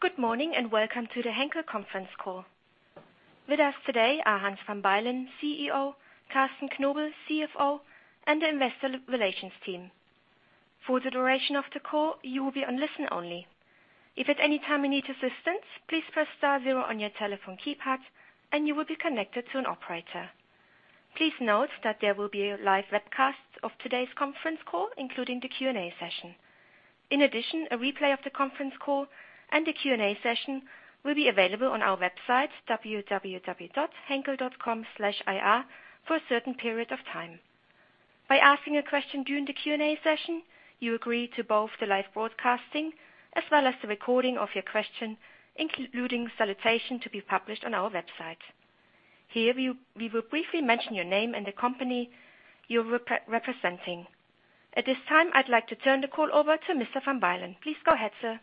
Good morning, welcome to the Henkel conference call. With us today are Hans Van Bylen, CEO, Carsten Knobel, CFO, and the investor relations team. For the duration of the call, you will be on listen only. If at any time you need assistance, please press star zero on your telephone keypad, and you will be connected to an operator. Please note that there will be a live webcast of today's conference call, including the Q&A session. In addition, a replay of the conference call and the Q&A session will be available on our website, henkel.com/ir, for a certain period of time. By asking a question during the Q&A session, you agree to both the live broadcasting as well as the recording of your question, including salutation, to be published on our website. Here, we will briefly mention your name and the company you're representing. At this time, I'd like to turn the call over to Mr. Van Bylen. Please go ahead, sir.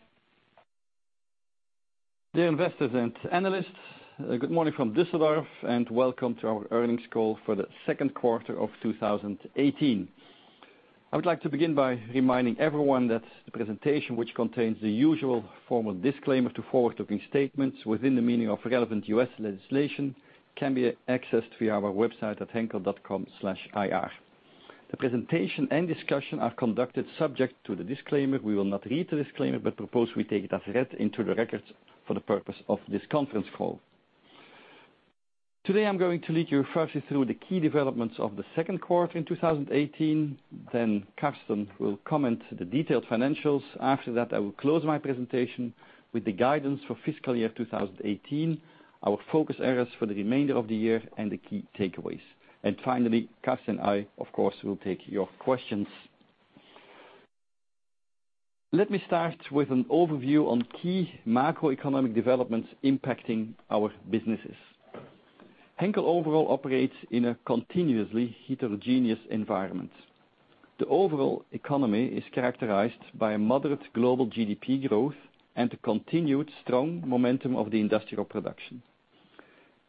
Dear investors and analysts, good morning from Düsseldorf, welcome to our earnings call for the second quarter of 2018. I would like to begin by reminding everyone that the presentation, which contains the usual formal disclaimer to forward-looking statements within the meaning of relevant U.S. legislation, can be accessed via our website at henkel.com/ir. The presentation and discussion are conducted subject to the disclaimer. We will not read the disclaimer but propose we take it as read into the records for the purpose of this conference call. Today, I'm going to lead you firstly through the key developments of the second quarter in 2018. Carsten will comment on the detailed financials. After that, I will close my presentation with the guidance for fiscal year 2018, our focus areas for the remainder of the year, and the key takeaways. Finally, Carsten and I, of course, will take your questions. Let me start with an overview on key macroeconomic developments impacting our businesses. Henkel overall operates in a continuously heterogeneous environment. The overall economy is characterized by a moderate global GDP growth and a continued strong momentum of the industrial production.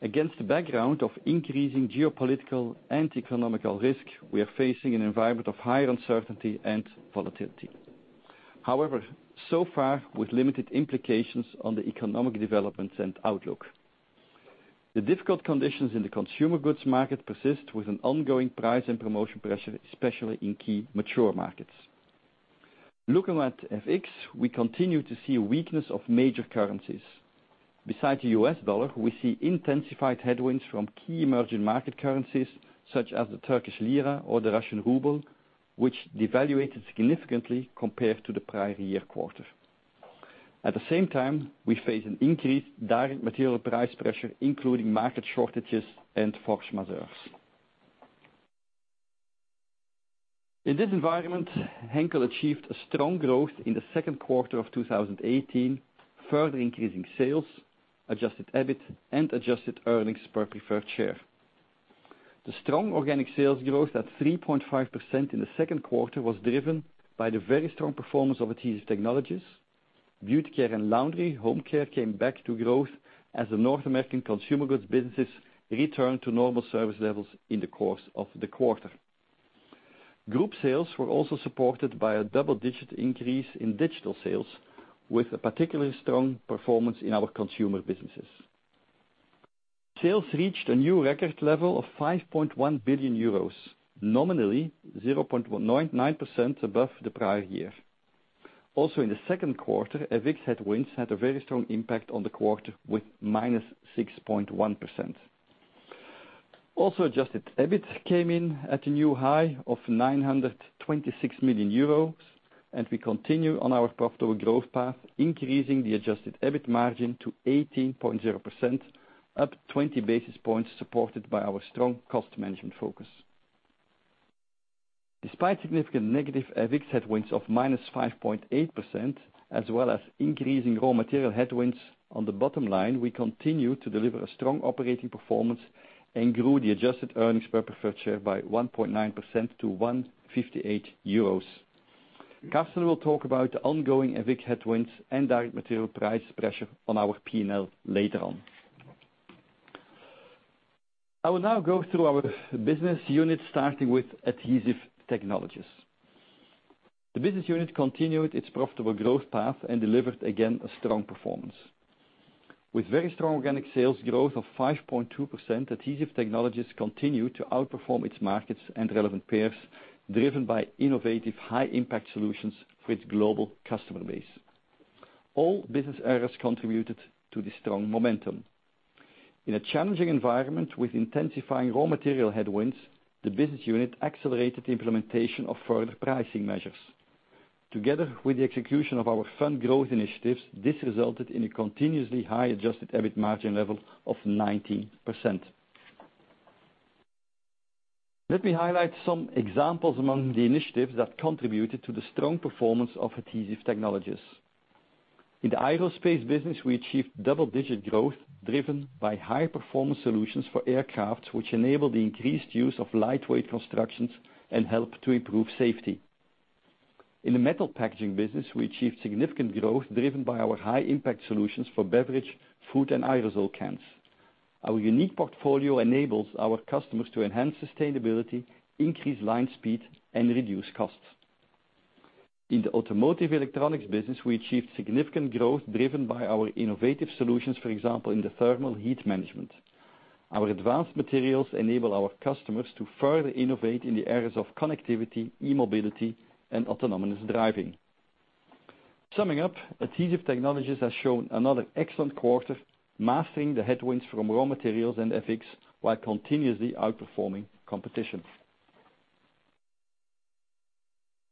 Against the background of increasing geopolitical and economical risk, we are facing an environment of higher uncertainty and volatility. However, so far with limited implications on the economic developments and outlook. The difficult conditions in the consumer goods market persist with an ongoing price and promotion pressure, especially in key mature markets. Looking at FX, we continue to see a weakness of major currencies. Besides the US dollar, we see intensified headwinds from key emerging market currencies such as the Turkish lira or the Russian ruble, which devalued significantly compared to the prior year quarter. At the same time, we face an increased direct material price pressure, including market shortages and force majeure. In this environment, Henkel achieved a strong growth in the second quarter of 2018, further increasing sales, adjusted EBIT, and adjusted earnings per preferred share. The strong organic sales growth at 3.5% in the second quarter was driven by the very strong performance of Adhesive Technologies. Beauty Care and Laundry & Home Care came back to growth as the North American consumer goods businesses returned to normal service levels in the course of the quarter. Group sales were also supported by a double-digit increase in digital sales, with a particularly strong performance in our consumer businesses. Sales reached a new record level of 5.1 billion euros, nominally 0.99% above the prior year. In the second quarter, FX headwinds had a very strong impact on the quarter with -6.1%. Adjusted EBIT came in at a new high of 926 million euros, and we continue on our profitable growth path, increasing the adjusted EBIT margin to 18.0%, up 20 basis points, supported by our strong cost management focus. Despite significant negative FX headwinds of -5.8%, as well as increasing raw material headwinds on the bottom line, we continue to deliver a strong operating performance and grew the adjusted earnings per preferred share by 1.9% to 158 euros. Carsten will talk about the ongoing FX headwinds and direct material price pressure on our P&L later on. I will now go through our business units, starting with Adhesive Technologies. The business unit continued its profitable growth path and delivered again a strong performance. With very strong organic sales growth of 5.2%, Adhesive Technologies continued to outperform its markets and relevant peers, driven by innovative high-impact solutions for its global customer base. All business areas contributed to this strong momentum. In a challenging environment with intensifying raw material headwinds, the business unit accelerated the implementation of further pricing measures. Together with the execution of our Fund Growth initiatives, this resulted in a continuously high adjusted EBIT margin level of 19%. Let me highlight some examples among the initiatives that contributed to the strong performance of Adhesive Technologies. In the aerospace business, we achieved double-digit growth driven by high-performance solutions for aircraft, which enable the increased use of lightweight constructions and help to improve safety. In the metal packaging business, we achieved significant growth driven by our high-impact solutions for beverage, food, and aerosol cans. Our unique portfolio enables our customers to enhance sustainability, increase line speed, and reduce costs. In the automotive electronics business, we achieved significant growth driven by our innovative solutions, for example, in the thermal heat management. Our advanced materials enable our customers to further innovate in the areas of connectivity, e-mobility, and autonomous driving. Summing up, Adhesive Technologies has shown another excellent quarter, mastering the headwinds from raw materials and FX, while continuously outperforming competition.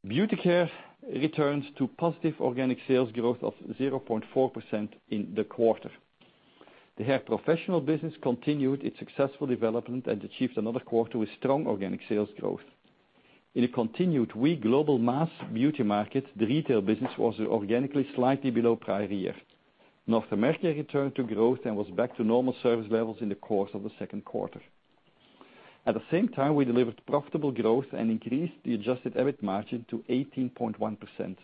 Beauty Care returns to positive organic sales growth of 0.4% in the quarter. The hair professional business continued its successful development and achieved another quarter with strong organic sales growth. In a continued weak global mass beauty market, the retail business was organically slightly below prior year. North America returned to growth and was back to normal service levels in the course of the second quarter. At the same time, we delivered profitable growth and increased the adjusted EBIT margin to 18.1%.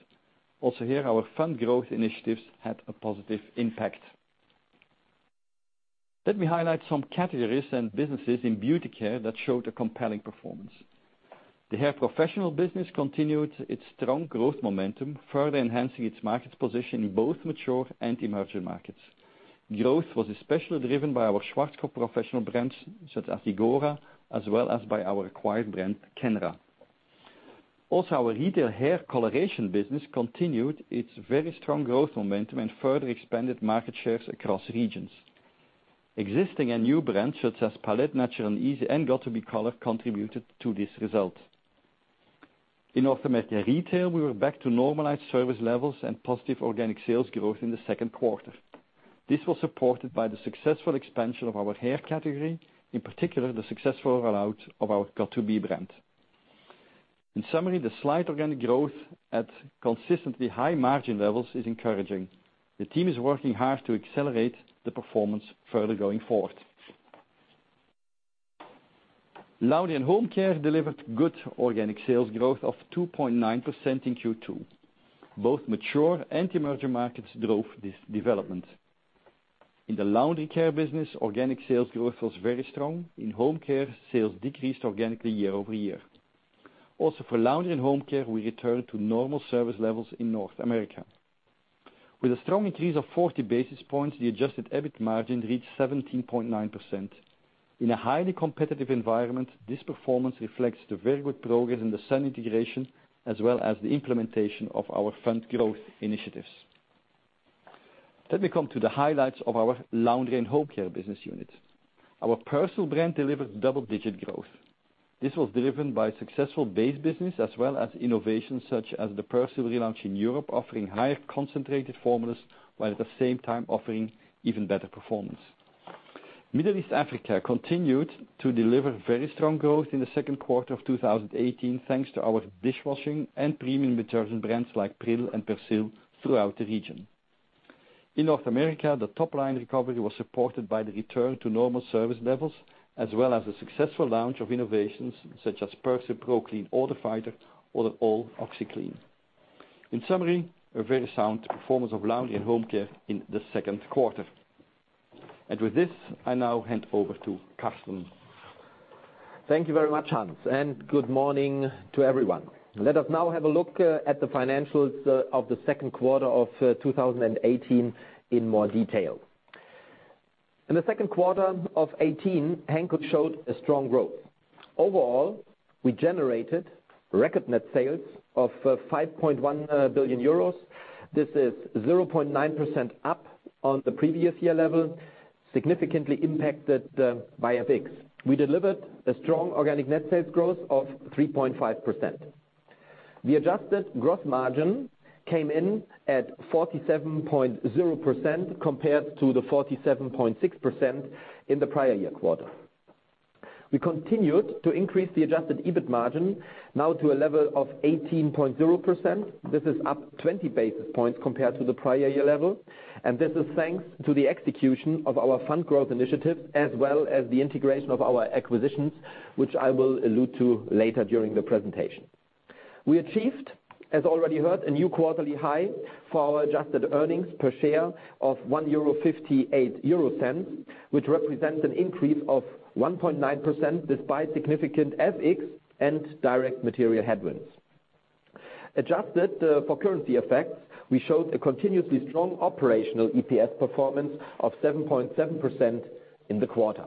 Here, our Fund Growth initiatives had a positive impact. Let me highlight some categories and businesses in Beauty Care that showed a compelling performance. The hair professional business continued its strong growth momentum, further enhancing its market position in both mature and emerging markets. Growth was especially driven by our Schwarzkopf professional brands such as Igora, as well as by our acquired brand, Kenra. Our retail hair coloration business continued its very strong growth momentum and further expanded market shares across regions. Existing and new brands such as Palette Natural & Easy and got2b color contributed to this result. In North America retail, we were back to normalized service levels and positive organic sales growth in the second quarter. This was supported by the successful expansion of our hair category, in particular, the successful rollout of our got2b brand. In summary, the slight organic growth at consistently high margin levels is encouraging. The team is working hard to accelerate the performance further going forward. Laundry & Home Care delivered good organic sales growth of 2.9% in Q2. Both mature and emerging markets drove this development. In the laundry care business, organic sales growth was very strong. In home care, sales decreased organically year-over-year. For Laundry & Home Care, we return to normal service levels in North America. With a strong increase of 40 basis points, the adjusted EBIT margin reached 17.9%. In a highly competitive environment, this performance reflects the very good progress in the Sun integration, as well as the implementation of our Fund Growth initiatives. Let me come to the highlights of our Laundry & Home Care business unit. Our Persil brand delivered double-digit growth. This was driven by successful base business as well as innovations such as the Persil relaunch in Europe, offering higher concentrated formulas, while at the same time offering even better performance. Middle East Africa continued to deliver very strong growth in the second quarter of 2018, thanks to our dishwashing and premium detergent brands like Pril and Persil throughout the region. In North America, the top-line recovery was supported by the return to normal service levels, as well as the successful launch of innovations such as Persil ProClean Odor Fighter or the all with OXI. In summary, a very sound performance of Laundry & Home Care in the second quarter. With this, I now hand over to Carsten. Thank you very much, Hans, and good morning to everyone. Let us now have a look at the financials of the second quarter of 2018 in more detail. In the second quarter of 2018, Henkel showed a strong growth. Overall, we generated record net sales of 5.1 billion euros. This is 0.9% up on the previous year level, significantly impacted by FX. We delivered a strong organic net sales growth of 3.5%. The adjusted gross margin came in at 47.0% compared to the 47.6% in the prior year quarter. We continued to increase the adjusted EBIT margin now to a level of 18.0%. This is up 20 basis points compared to the prior year level, and this is thanks to the execution of our Fund Growth initiative, as well as the integration of our acquisitions, which I will allude to later during the presentation. We achieved, as already heard, a new quarterly high for our adjusted earnings per share of 1.58 euro, which represents an increase of 1.9% despite significant FX and direct material headwinds. Adjusted for currency effects, we showed a continuously strong operational EPS performance of 7.7% in the quarter.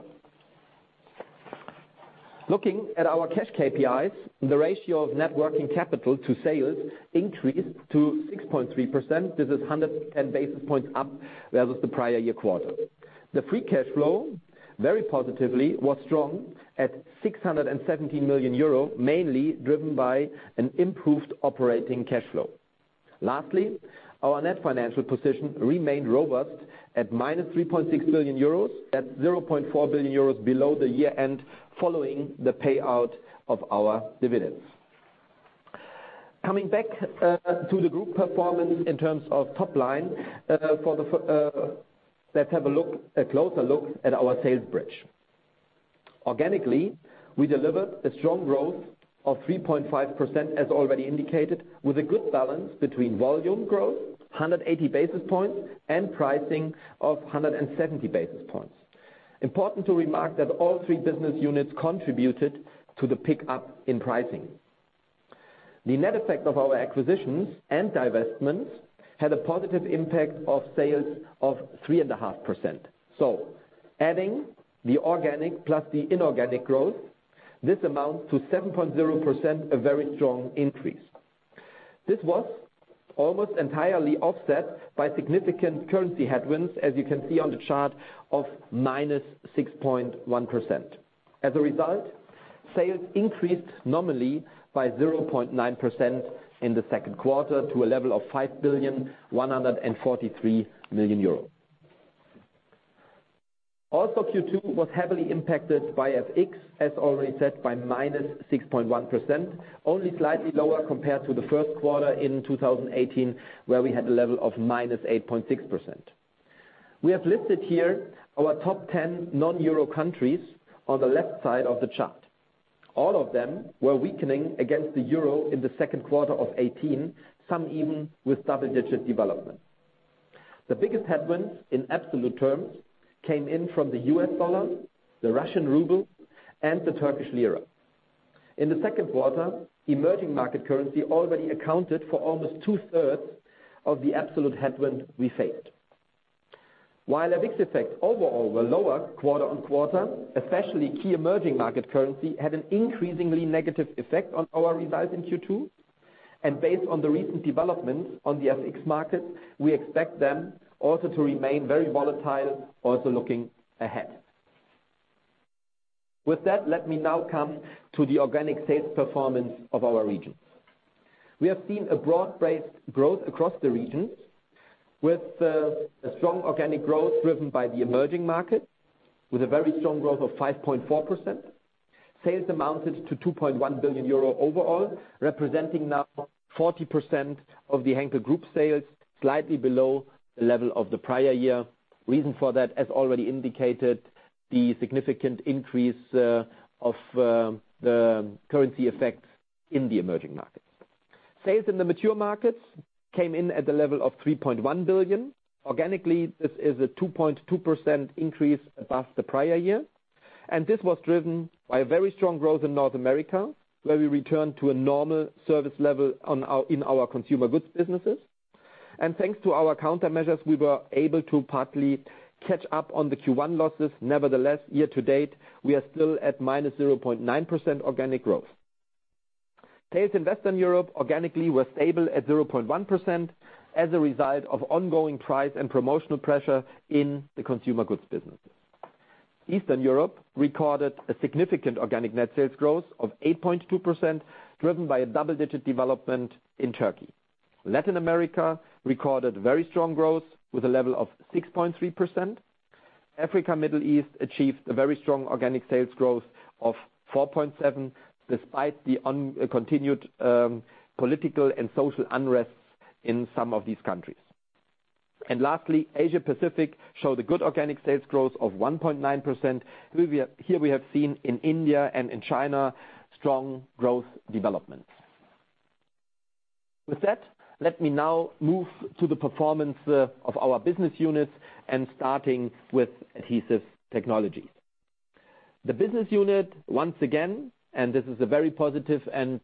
Looking at our cash KPIs, the ratio of net working capital to sales increased to 6.3%. This is 110 basis points up versus the prior year quarter. The free cash flow, very positively, was strong at 617 million euro, mainly driven by an improved operating cash flow. Lastly, our net financial position remained robust at minus 3.6 billion euros, at 0.4 billion euros below the year end following the payout of our dividends. Coming back to the group performance in terms of top line, let's have a closer look at our sales bridge. Organically, we delivered a strong growth of 3.5%, as already indicated, with a good balance between volume growth, 180 basis points, and pricing of 170 basis points. Important to remark that all three business units contributed to the pickup in pricing. The net effect of our acquisitions and divestments had a positive impact of sales of 3.5%. Adding the organic plus the inorganic growth, this amounts to 7.0%, a very strong increase. This was almost entirely offset by significant currency headwinds, as you can see on the chart, of minus 6.1%. As a result, sales increased nominally by 0.9% in the second quarter to a level of 5.143 billion. Also Q2 was heavily impacted by FX, as already said, by minus 6.1%, only slightly lower compared to the first quarter in 2018, where we had a level of minus 8.6%. We have listed here our top 10 non-euro countries on the left side of the chart. All of them were weakening against the euro in the second quarter of 2018, some even with double-digit development. The biggest headwinds in absolute terms came in from the US dollar, the Russian ruble, and the Turkish lira. In the second quarter, emerging market currency already accounted for almost two-thirds of the absolute headwind we faced. While FX effects overall were lower quarter-on-quarter, especially key emerging market currency had an increasingly negative effect on our results in Q2. Based on the recent developments on the FX market, we expect them also to remain very volatile also looking ahead. With that, let me now come to the organic sales performance of our regions. We have seen a broad-based growth across the regions with a strong organic growth driven by the emerging market with a very strong growth of 5.4%. Sales amounted to 2.1 billion euro overall, representing now 40% of the Henkel Group sales, slightly below the level of the prior year. Reason for that, as already indicated, the significant increase of the currency effect in the emerging markets. Sales in the mature markets came in at a level of 3.1 billion. Organically, this is a 2.2% increase above the prior year, and this was driven by a very strong growth in North America, where we returned to a normal service level in our consumer goods businesses. Thanks to our countermeasures, we were able to partly catch up on the Q1 losses. Nevertheless, year-to-date, we are still at minus 0.9% organic growth. Sales in Western Europe organically were stable at 0.1% as a result of ongoing price and promotional pressure in the consumer goods businesses. Eastern Europe recorded a significant organic net sales growth of 8.2%, driven by a double-digit development in Turkey. Latin America recorded very strong growth with a level of 6.3%. Africa, Middle East achieved a very strong organic sales growth of 4.7% despite the continued political and social unrest in some of these countries. Lastly, Asia-Pacific showed a good organic sales growth of 1.9%. Here we have seen in India and in China strong growth developments. With that, let me now move to the performance of our business units and starting with Adhesive Technologies. The business unit, once again, and this is a very positive and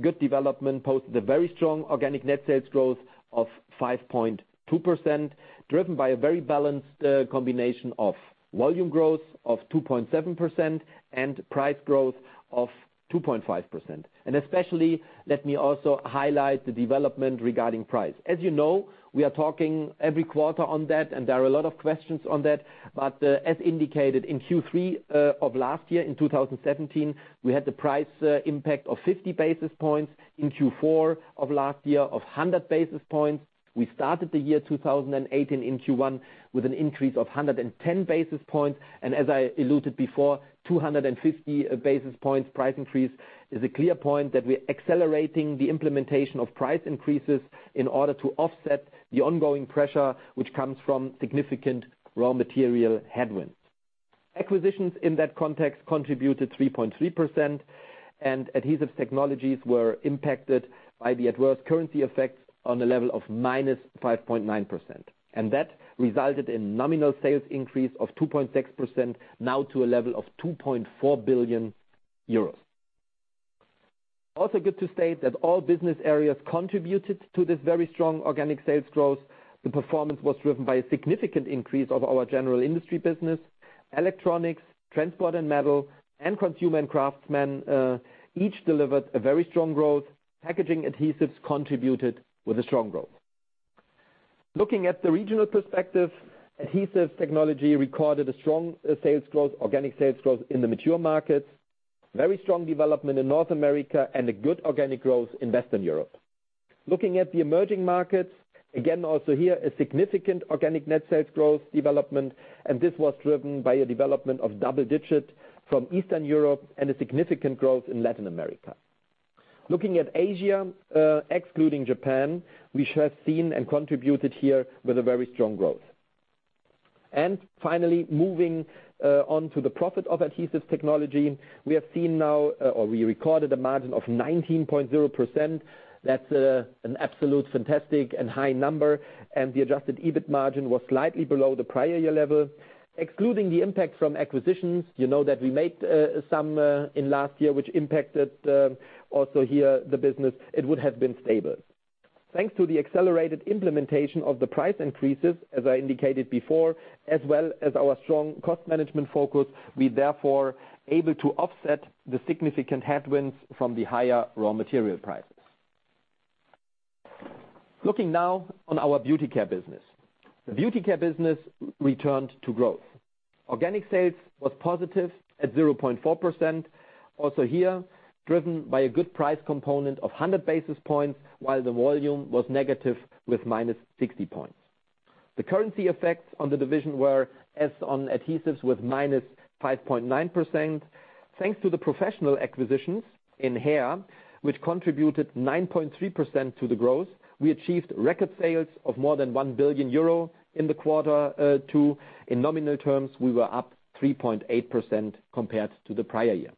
good development, posted a very strong organic net sales growth of 5.2%, driven by a very balanced combination of volume growth of 2.7% and price growth of 2.5%. Especially, let me also highlight the development regarding price. As you know, we are talking every quarter on that, and there are a lot of questions on that. As indicated in Q3 of last year, in 2017, we had the price impact of 50 basis points in Q4 of last year of 100 basis points. We started the year 2018 in Q1 with an increase of 110 basis points. As I alluded before, 250 basis points price increase is a clear point that we're accelerating the implementation of price increases in order to offset the ongoing pressure which comes from significant raw material headwinds. Acquisitions in that context contributed 3.3%, Adhesive Technologies were impacted by the adverse currency effect on a level of minus 5.9%. That resulted in nominal sales increase of 2.6%, now to a level of 2.4 billion euros. Also good to state that all business areas contributed to this very strong organic sales growth. The performance was driven by a significant increase of our General Industry business. Electronics, Transport and Metal, and Consumers and Craftsmen each delivered a very strong growth. Packaging Adhesives contributed with a strong growth. Looking at the regional perspective, Adhesive Technologies recorded a strong organic sales growth in the mature markets, very strong development in North America, and a good organic growth in Western Europe. Looking at the emerging markets, again, also here, a significant organic net sales growth development, this was driven by a development of double digit from Eastern Europe and a significant growth in Latin America. Looking at Asia, excluding Japan, we have seen and contributed here with a very strong growth. Finally, moving on to the profit of Adhesive Technologies. We have seen now or we recorded a margin of 19.0%. That's an absolute fantastic and high number, and the adjusted EBIT margin was slightly below the prior year level. Excluding the impact from acquisitions, you know that we made some in last year, which impacted also here, the business, it would have been stable. Thanks to the accelerated implementation of the price increases, as I indicated before, as well as our strong cost management focus, we therefore able to offset the significant headwinds from the higher raw material prices. Looking now on our Beauty Care business. The Beauty Care business returned to growth. Organic sales was positive at 0.4%. Also here, driven by a good price component of 100 basis points, while the volume was negative with minus 60 points. The currency effects on the division were as on adhesives with minus 5.9%. Thanks to the professional acquisitions in hair, which contributed 9.3% to the growth, we achieved record sales of more than 1 billion euro in the quarter two. In nominal terms, we were up 3.8% compared to the prior year.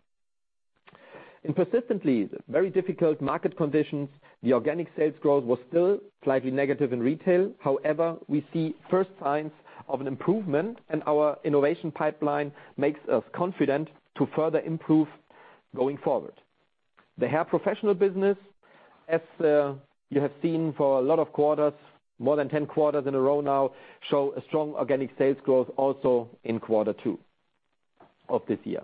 In persistently very difficult market conditions, the organic sales growth was still slightly negative in retail. We see first signs of an improvement, our innovation pipeline makes us confident to further improve going forward. The hair professional business, as you have seen for a lot of quarters, more than 10 quarters in a row now, show a strong organic sales growth also in quarter two of this year.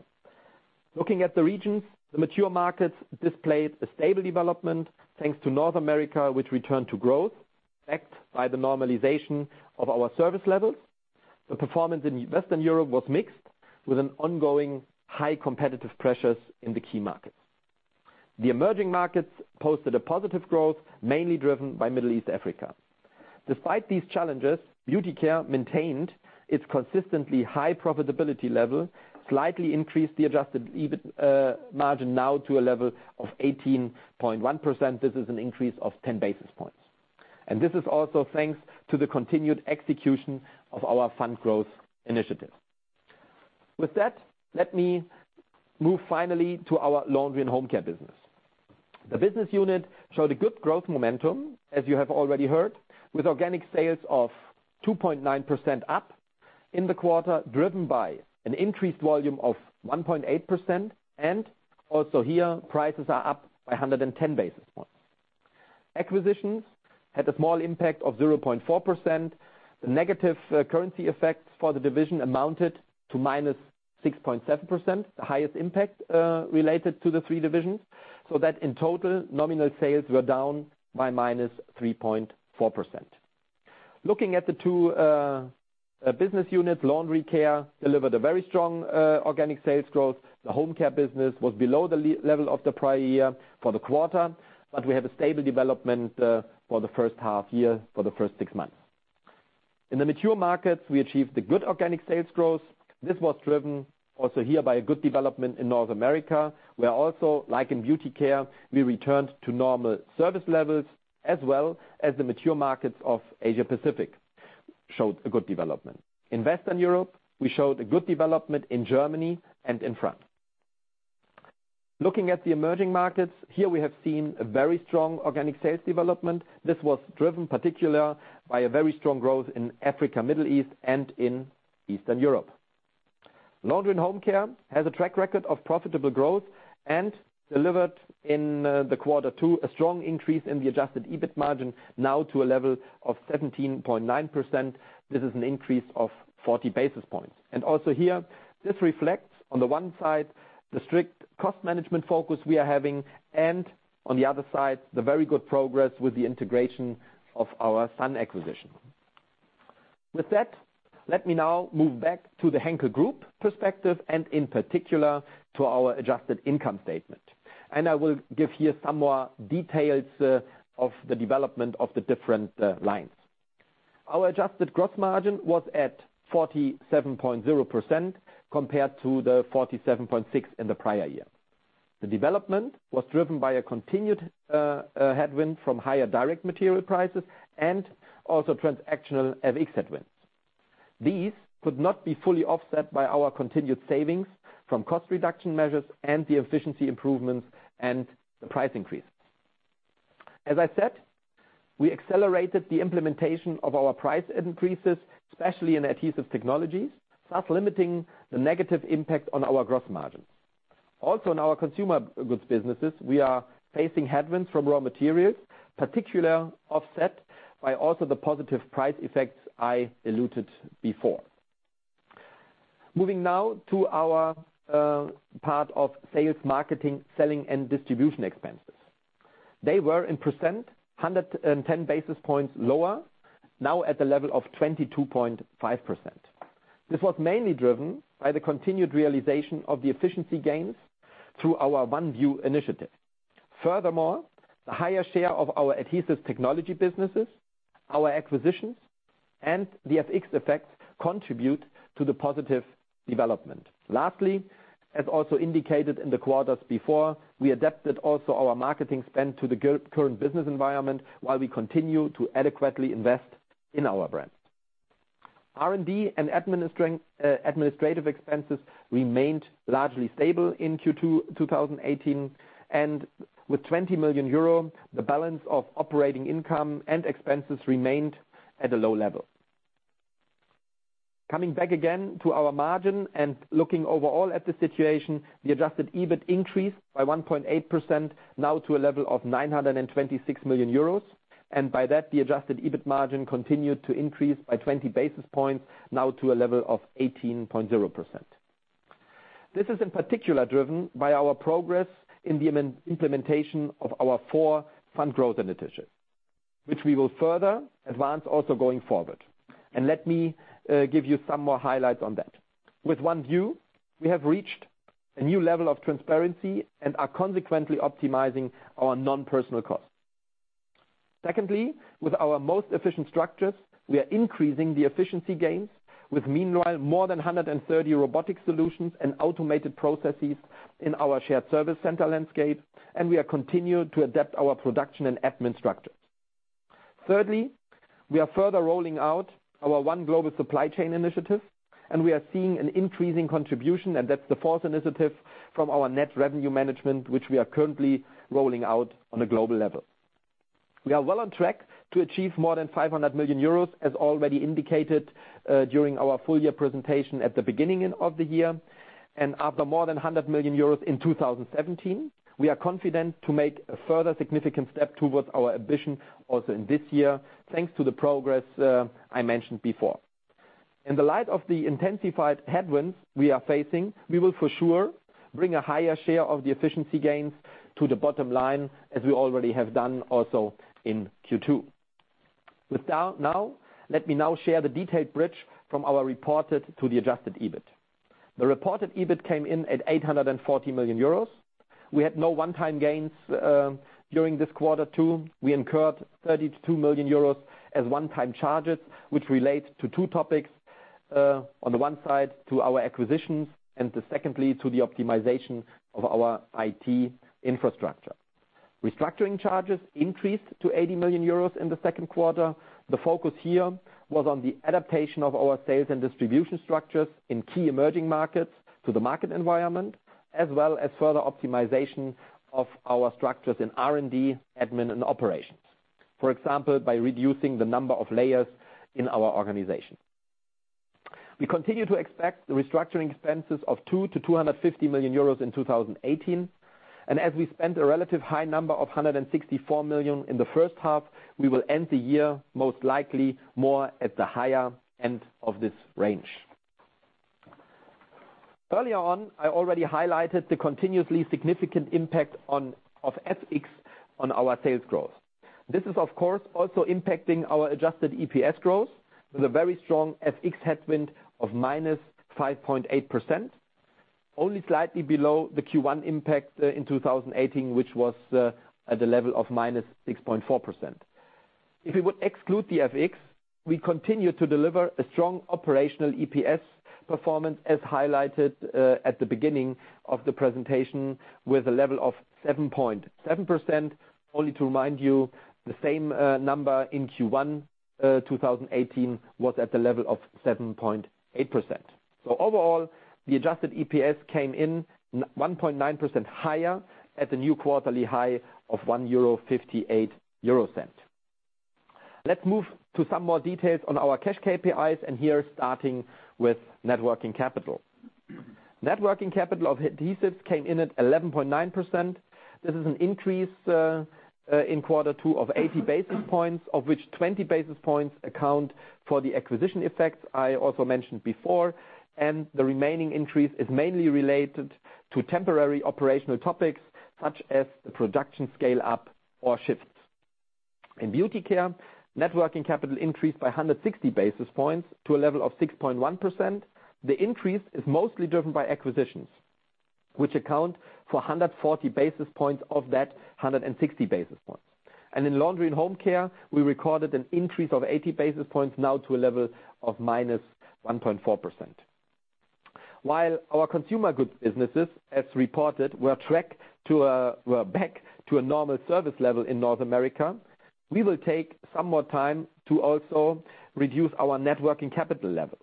Looking at the regions, the mature markets displayed a stable development thanks to North America, which returned to growth, backed by the normalization of our service levels. The performance in Western Europe was mixed, with an ongoing high competitive pressures in the key markets. The emerging markets posted a positive growth, mainly driven by Middle East Africa. Despite these challenges, Beauty Care maintained its consistently high profitability level, slightly increased the adjusted EBIT margin now to a level of 18.1%. This is an increase of 10 basis points. This is also thanks to the continued execution of our fund growth initiative. With that, let me move finally to our Laundry & Home Care business. The business unit showed a good growth momentum, as you have already heard, with organic sales of 2.9% up in the quarter, driven by an increased volume of 1.8% and also here prices are up by 110 basis points. Acquisitions had a small impact of 0.4%. The negative currency effects for the division amounted to minus 6.7%, the highest impact related to the three divisions, so that in total, nominal sales were down by minus 3.4%. Looking at the two business units, Laundry Care delivered a very strong organic sales growth. The Home Care business was below the level of the prior year for the quarter, but we have a stable development for the first half year for the first six months. In the mature markets, we achieved a good organic sales growth. This was driven also here by a good development in North America, where also, like in Beauty Care, we returned to normal service levels as well as the mature markets of Asia-Pacific showed a good development. In Western Europe, we showed a good development in Germany and in France. Looking at the emerging markets, we have seen a very strong organic sales development. This was driven particularly by a very strong growth in Africa, Middle East, and in Eastern Europe. Laundry & Home Care has a track record of profitable growth and delivered in the quarter two a strong increase in the adjusted EBIT margin now to a level of 17.9%. This is an increase of 40 basis points. Also here, this reflects, on the one side, the strict cost management focus we are having, and on the other side, the very good progress with the integration of our Sun acquisition. With that, let me now move back to the Henkel Group perspective and in particular to our adjusted income statement. I will give here some more details of the development of the different lines. Our adjusted gross margin was at 47.0% compared to the 47.6% in the prior year. The development was driven by a continued headwind from higher direct material prices and also transactional FX headwinds. These could not be fully offset by our continued savings from cost reduction measures and the efficiency improvements and the price increase. As I said, we accelerated the implementation of our price increases, especially in Adhesive Technologies, thus limiting the negative impact on our gross margin. In our consumer goods businesses, we are facing headwinds from raw materials, particularly offset by also the positive price effects I alluded before. Moving now to our part of sales, marketing, selling, and distribution expenses. They were, in percent, 110 basis points lower, now at the level of 22.5%. This was mainly driven by the continued realization of the efficiency gains through our ONE! ViEW initiative. Furthermore, the higher share of our Adhesive Technologies businesses, our acquisitions, the FX effects contribute to the positive development. Lastly, as also indicated in the quarters before, we adapted also our marketing spend to the current business environment while we continue to adequately invest in our brand. R&D and administrative expenses remained largely stable in Q2 2018. With 20 million euro, the balance of operating income and expenses remained at a low level. Coming back again to our margin and looking overall at the situation, the adjusted EBIT increased by 1.8%, now to a level of 926 million euros. By that, the adjusted EBIT margin continued to increase by 20 basis points, now to a level of 18.0%. This is in particular driven by our progress in the implementation of our fund growth initiatives, which we will further advance also going forward. Let me give you some more highlights on that. With ONE! ViEW, we have reached a new level of transparency and are consequently optimizing our non-personal costs. Secondly, with our most efficient structures, we are increasing the efficiency gains with meanwhile more than 130 robotic solutions and automated processes in our shared service center landscape, and we are continuing to adapt our production and admin structures. Thirdly, we are further rolling out our ONE! Global Supply Chain initiative, we are seeing an increasing contribution, that's the fourth initiative from our net revenue management, which we are currently rolling out on a global level. We are well on track to achieve more than 500 million euros, as already indicated during our full year presentation at the beginning of the year. After more than 100 million euros in 2017, we are confident to make a further significant step towards our ambition also in this year, thanks to the progress I mentioned before. In the light of the intensified headwinds we are facing, we will for sure bring a higher share of the efficiency gains to the bottom line, as we already have done also in Q2. Let me now share the detailed bridge from our reported to the adjusted EBIT. The reported EBIT came in at 840 million euros. We had no one-time gains during this Quarter 2. We incurred 32 million euros as one-time charges, which relate to two topics. On the one side, to our acquisitions and secondly, to the optimization of our IT infrastructure. Restructuring charges increased to 80 million euros in the second quarter. The focus here was on the adaptation of our sales and distribution structures in key emerging markets to the market environment, as well as further optimization of our structures in R&D, admin and operations. For example, by reducing the number of layers in our organization. We continue to expect restructuring expenses of 200 million-250 million euros in 2018. As we spent a relative high number of 164 million in the first half, we will end the year most likely more at the higher end of this range. Earlier on, I already highlighted the continuously significant impact of FX on our sales growth. This is of course also impacting our adjusted EPS growth with a very strong FX headwind of -5.8%, only slightly below the Q1 impact in 2018, which was at a level of -6.4%. If we would exclude the FX, we continue to deliver a strong operational EPS performance as highlighted at the beginning of the presentation with a level of 7.7%. Only to remind you, the same number in Q1 2018 was at the level of 7.8%. Overall, the adjusted EPS came in 1.9% higher at the new quarterly high of 1.58 euro. Let's move to some more details on our cash KPIs, here starting with net working capital. Net working capital of Adhesives came in at 11.9%. This is an increase in Quarter 2 of 80 basis points, of which 20 basis points account for the acquisition effects I also mentioned before, the remaining increase is mainly related to temporary operational topics such as the production scale up or shifts. In Beauty Care, net working capital increased by 160 basis points to a level of 6.1%. The increase is mostly driven by acquisitions, which account for 140 basis points of that 160 basis points. In Laundry & Home Care, we recorded an increase of 80 basis points now to a level of -1.4%. While our consumer goods businesses, as reported, were back to a normal service level in North America, we will take some more time to also reduce our net working capital levels.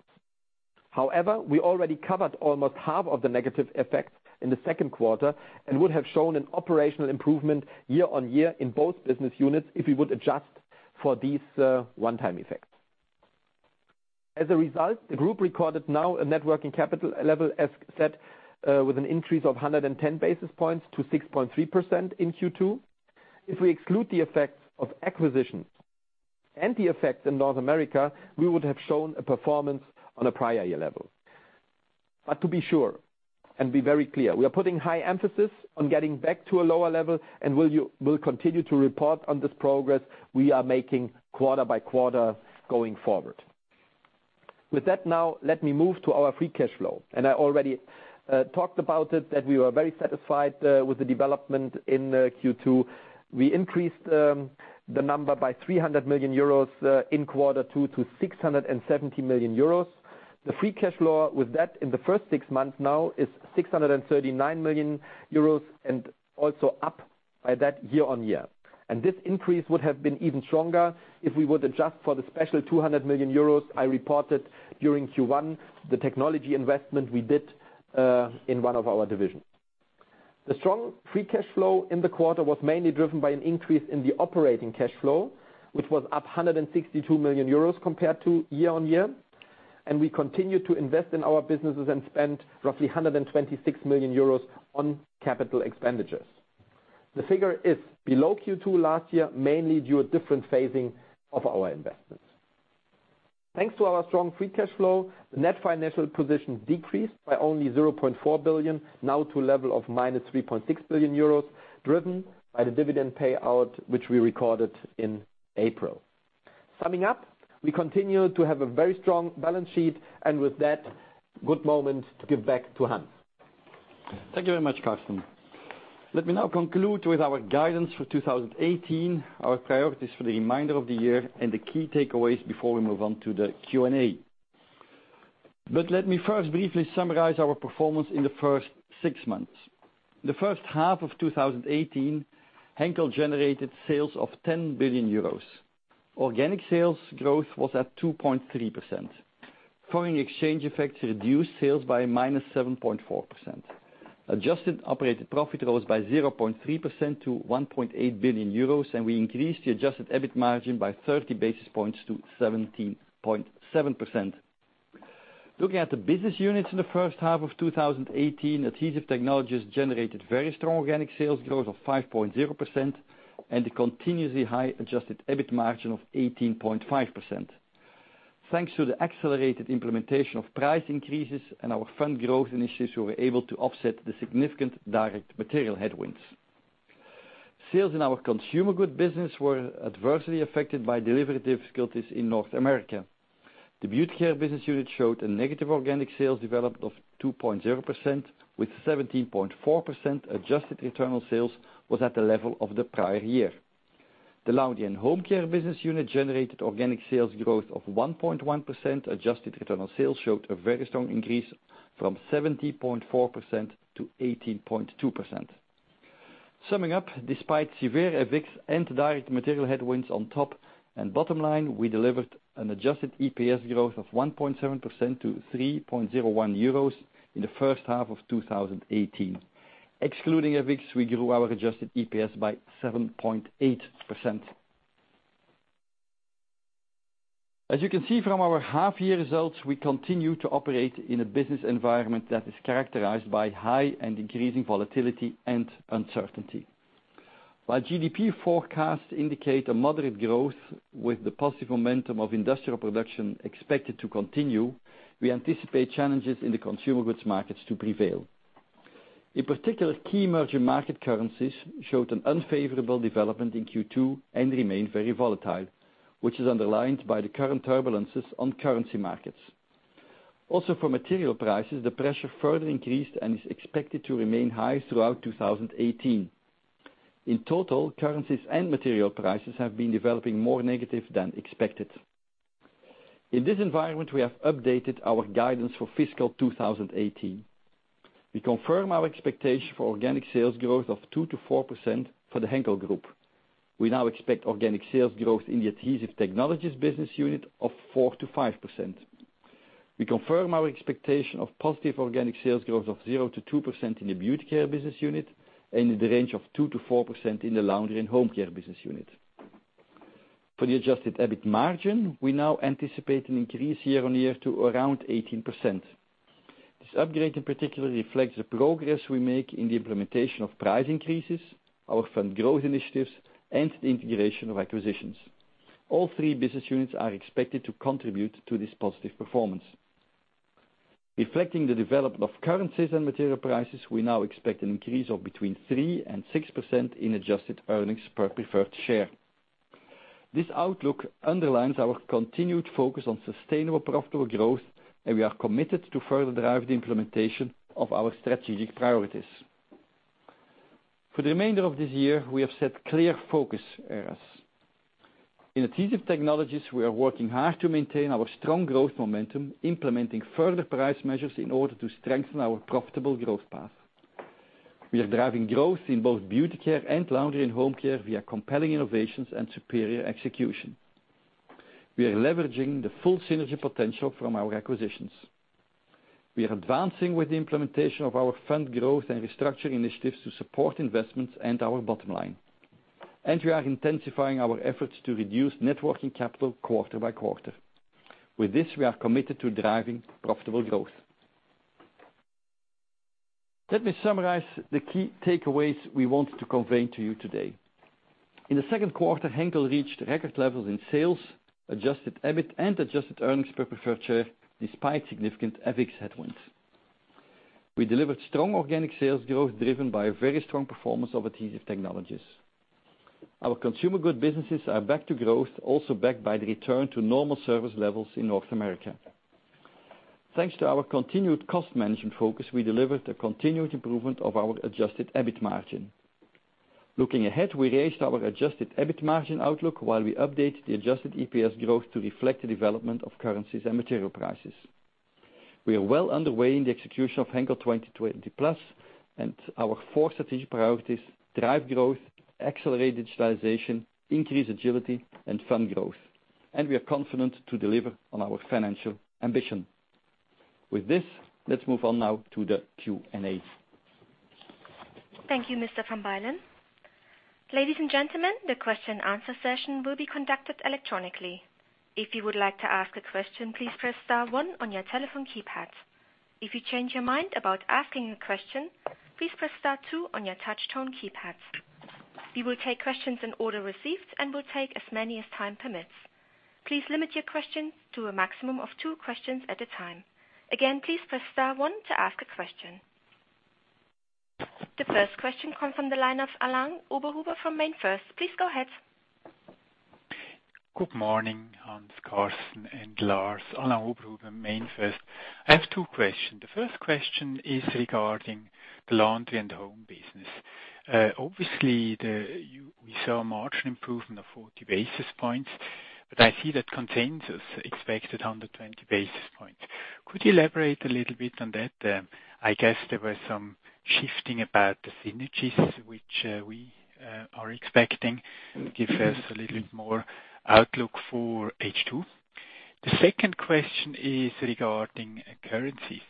However, we already covered almost half of the negative effects in the second quarter and would have shown an operational improvement year-on-year in both business units if we would adjust for these one-time effects. As a result, the group recorded now a net working capital level as set with an increase of 110 basis points to 6.3% in Q2. If we exclude the effects of acquisitions and the effects in North America, we would have shown a performance on a prior year level. To be sure and be very clear, we are putting high emphasis on getting back to a lower level and will continue to report on this progress we are making quarter-by-quarter going forward. With that now, let me move to our free cash flow. I already talked about it, that we were very satisfied with the development in Q2. We increased the number by 300 million euros in quarter two to 670 million euros. The free cash flow with that in the first six months now is 639 million euros, and also up by that year-on-year. This increase would have been even stronger if we were to adjust for the special 200 million euros I reported during Q1, the technology investment we did in one of our divisions. The strong free cash flow in the quarter was mainly driven by an increase in the operating cash flow, which was up 162 million euros compared to year-on-year, and we continued to invest in our businesses and spend roughly 126 million euros on capital expenditures. The figure is below Q2 last year, mainly due to different phasing of our investments. Thanks to our strong free cash flow, the net financial position decreased by only 0.4 billion, now to a level of minus 3.6 billion euros, driven by the dividend payout, which we recorded in April. Summing up, we continue to have a very strong balance sheet, and with that, good moment to give back to Hans. Thank you very much, Carsten. Let me now conclude with our guidance for 2018, our priorities for the remainder of the year, and the key takeaways before we move on to the Q&A. Let me first briefly summarize our performance in the first six months. The first half of 2018, Henkel generated sales of 10 billion euros. Organic sales growth was at 2.3%. Foreign exchange effects reduced sales by minus 7.4%. Adjusted operating profit rose by 0.3% to 1.8 billion euros, and we increased the adjusted EBIT margin by 30 basis points to 17.7%. Looking at the business units in the first half of 2018, Adhesive Technologies generated very strong organic sales growth of 5.0% and a continuously high adjusted EBIT margin of 18.5%. Thanks to the accelerated implementation of price increases and our fund growth initiatives, we were able to offset the significant direct material headwinds. Sales in our consumer goods business were adversely affected by delivery difficulties in North America. The Beauty Care business unit showed a negative organic sales development of 2.0%, with 17.4% adjusted return on sales was at the level of the prior year. The Laundry & Home Care business unit generated organic sales growth of 1.1%. Adjusted return on sales showed a very strong increase from 17.4% to 18.2%. Summing up, despite severe FX and direct material headwinds on top and bottom line, we delivered an adjusted EPS growth of 1.7% to 3.01 euros in the first half of 2018. Excluding FX, we grew our adjusted EPS by 7.8%. As you can see from our half-year results, we continue to operate in a business environment that is characterized by high and increasing volatility and uncertainty. While GDP forecasts indicate a moderate growth with the positive momentum of industrial production expected to continue, we anticipate challenges in the consumer goods markets to prevail. In particular, key emerging market currencies showed an unfavorable development in Q2 and remain very volatile, which is underlined by the current turbulences on currency markets. Also, for material prices, the pressure further increased and is expected to remain high throughout 2018. In total, currencies and material prices have been developing more negative than expected. In this environment, we have updated our guidance for fiscal 2018. We confirm our expectation for organic sales growth of 2%-4% for the Henkel Group. We now expect organic sales growth in the Adhesive Technologies business unit of 4%-5%. We confirm our expectation of positive organic sales growth of 0%-2% in the Beauty Care business unit and in the range of 2%-4% in the Laundry & Home Care business unit. For the adjusted EBIT margin, we now anticipate an increase year-on-year to around 18%. This upgrade in particular reflects the progress we make in the implementation of price increases, our Fund Growth initiatives, and the integration of acquisitions. All three business units are expected to contribute to this positive performance. Reflecting the development of currencies and material prices, we now expect an increase of between 3% and 6% in adjusted earnings per preferred share. This outlook underlines our continued focus on sustainable profitable growth, and we are committed to further drive the implementation of our strategic priorities. For the remainder of this year, we have set clear focus areas. In Adhesive Technologies, we are working hard to maintain our strong growth momentum, implementing further price measures in order to strengthen our profitable growth path. We are driving growth in both Beauty Care and Laundry & Home Care via compelling innovations and superior execution. We are leveraging the full synergy potential from our acquisitions. We are advancing with the implementation of our Fund Growth and restructuring initiatives to support investments and our bottom line. We are intensifying our efforts to reduce net working capital quarter-by-quarter. With this, we are committed to driving profitable growth. Let me summarize the key takeaways we wanted to convey to you today. In the second quarter, Henkel reached record levels in sales, adjusted EBIT, and adjusted earnings per preferred share, despite significant FX headwinds. We delivered strong organic sales growth driven by a very strong performance of Adhesive Technologies. Our consumer goods businesses are back to growth, also backed by the return to normal service levels in North America. Thanks to our continued cost management focus, we delivered a continued improvement of our adjusted EBIT margin. Looking ahead, we raised our adjusted EBIT margin outlook while we updated the adjusted EPS growth to reflect the development of currencies and material prices. We are well underway in the execution of Henkel 2020+ and our four strategic priorities: drive growth, accelerate digitalization, increase agility, and Fund Growth. We are confident to deliver on our financial ambition. With this, let's move on now to the Q&A. Thank you, Mr. Van Bylen. Ladies and gentlemen, the question and answer session will be conducted electronically. If you would like to ask a question, please press star one on your telephone keypad. If you change your mind about asking a question, please press star two on your touchtone keypad. We will take questions in order received and will take as many as time permits. Please limit your questions to a maximum of two questions at a time. Again, please press star one to ask a question. The first question comes from the line of Alain Oberhuber from MainFirst Bank. Please go ahead. Good morning, Hans, Carsten, and Lars. Alain Oberhuber, MainFirst Bank. I have two questions. The first question is regarding the Laundry & Home Care business. Obviously, we saw a margin improvement of 40 basis points, but I see that consensus expected 120 basis points. Could you elaborate a little bit on that? I guess there was some shifting about the synergies which we are expecting. Give us a little bit more outlook for H2. The second question is regarding currencies.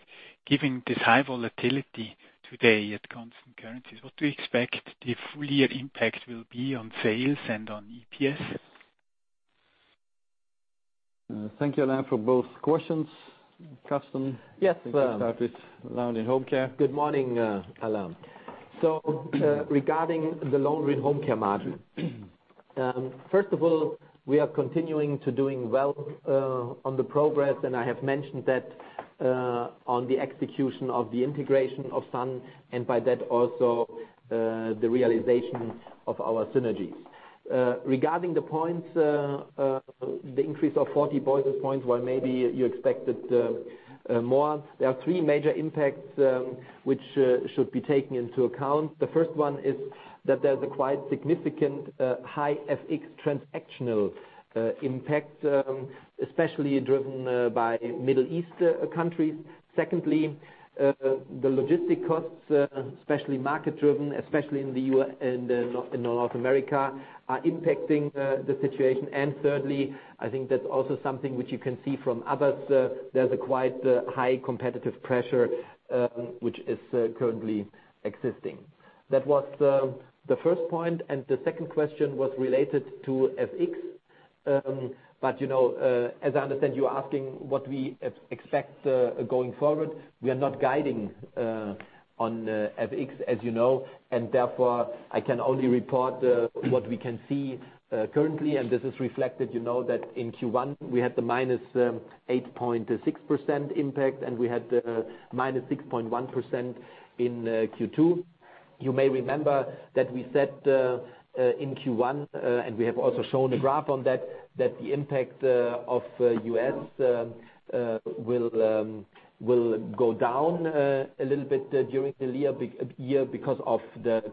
Given this high volatility today at constant currencies, what do you expect the full year impact will be on sales and on EPS? Thank you, Alain, for both questions. Yes. Carsten, you can start with Laundry & Home Care. Good morning, Alain. Regarding the Laundry & Home Care margin. First of all, we are continuing to do well on the progress, I have mentioned that on the execution of the integration of Sun and by that also the realization of our synergies. Regarding the points, the increase of 40 basis points, while maybe you expected more. There are three major impacts which should be taken into account. The first one is that there's a quite significant high FX transactional impact, especially driven by Middle East countries. Secondly, the logistic costs, especially market-driven, especially in North America, are impacting the situation. Thirdly, I think that's also something which you can see from others. There's a quite high competitive pressure which is currently existing. That was the first point, the second question was related to FX. As I understand, you are asking what we expect going forward. We are not guiding on FX, as you know, therefore, I can only report what we can see currently, this is reflected that in Q1 we had the minus 8.6% impact we had the minus 6.1% in Q2. You may remember that we said in Q1, we have also shown a graph on that the impact of U.S. will go down a little bit during the year because of the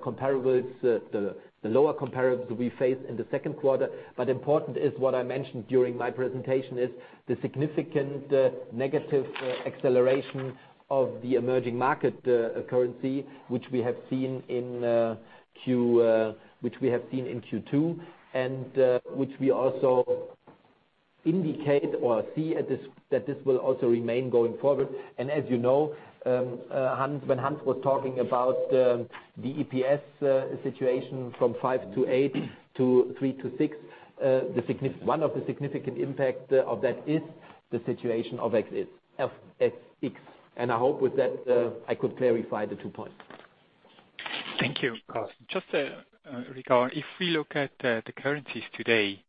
lower comparables that we face in the second quarter. Important is what I mentioned during my presentation is the significant negative acceleration of the emerging market currency, which we have seen in Q2 which we also indicate or see that this will also remain going forward. As you know, when Hans was talking about the EPS situation from five to eight to three to six, one of the significant impact of that is the situation of FX. I hope with that I could clarify the two points. Thank you, Carsten. Just regarding, if we look at the currencies today,